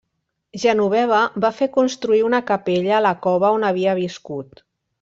Genoveva va fer construir una capella a la cova on havia viscut.